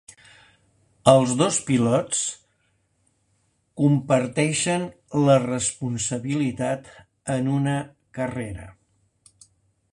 Els dos pilots comparteixen la responsabilitat en una carrera.